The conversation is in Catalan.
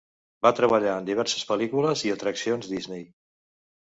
Va treballar en diverses pel·lícules i atraccions Disney.